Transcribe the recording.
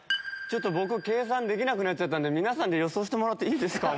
僕計算できなくなっちゃったんで予想してもらっていいですか？